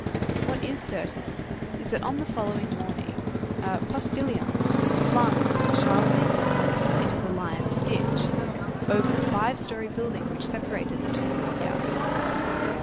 What is certain is, that on the following morning, a "postilion" was flung from the Charlemagne yard into the Lions' Ditch, over the five story building which separated the two court yards.